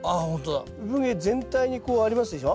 うぶ毛全体にこうありますでしょ。